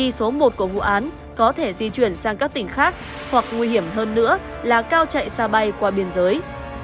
số một của vụ án có thể di chuyển sang các tỉnh khác hoặc nguy hiểm hơn nữa là cao chạy xa bay qua biên giới